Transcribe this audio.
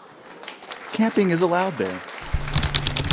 Camping is allowed there.